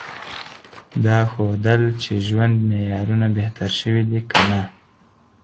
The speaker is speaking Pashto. دا ښودل چې ژوند معیارونه بهتر شوي دي که نه؟